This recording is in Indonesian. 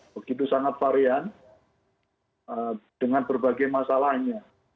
begitu sangat varian dengan berbagai masalahnya